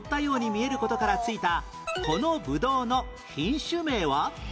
見える事から付いたこのブドウの品種名は？